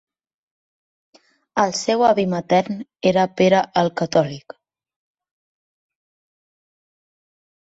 El seu avi matern era Pere el Catòlic.